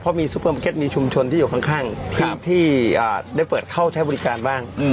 เพราะมีซุปเปอร์มาร์เก็ตมีชุมชนที่อยู่ข้างที่ได้เปิดเข้าใช้บริการบ้าง